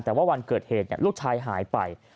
แต่ว่าวันเกิดเหตุลูกชายหายไป